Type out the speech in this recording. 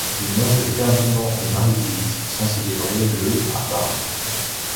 Les noces de Ferdinand et Marie-Louise sont célébrées le à Parme.